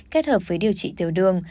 kết hợp với điều trị tiểu đường